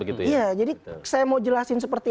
iya jadi saya mau jelasin seperti